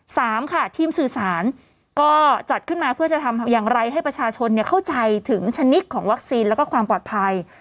สามค่ะทีมสื่อสารก็จัดขึ้นมาเพื่อจะทำอย่างไรให้ประชาชนเข้าใจถึงชนิดของวัคซีนแล้วก็ความปลอดภัย